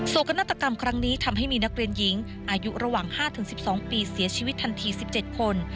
กนาฏกรรมครั้งนี้ทำให้มีนักเรียนหญิงอายุระหว่าง๕๑๒ปีเสียชีวิตทันที๑๗คน